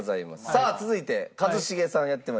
さあ続いて一茂さんやってまいりました。